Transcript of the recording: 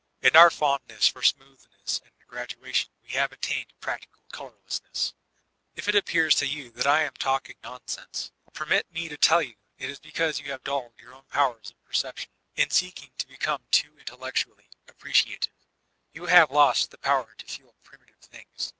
In our fondness for smoothness and gradation we have attained practical colorlessness. If it appears to you that I am talking nonsense, permit me to tell you it is because you have dulled your own powers of perception; in seeking to become too intel lectually appreciative, you have lost the power to feel primitive things.